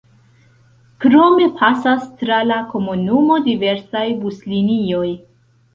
Krome pasas tra la komunumo diversaj buslinioj.